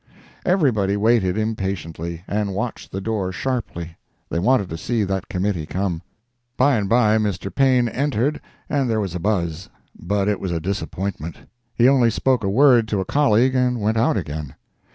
Everybody waited impatiently, and watched the door sharply—they wanted to see that Committee come. By and by Mr. Paine entered and there was a buzz; but it was a disappointment—he only spoke a word to a colleague and went out again.